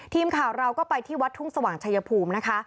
ทีมข่าวเราก็ไปที่วัดทุ่งสว่างชายภูมินะคะ